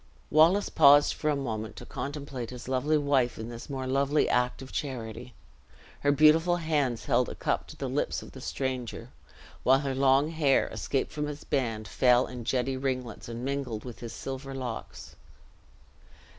Wallace paused for a moment, to contemplate his lovely wife in this more lovely act of charity. Her beautiful hands held a cup to the lips of the stranger; while her long hair, escaped from its band, fell in jetty ringlets, and mingled with his silver locks.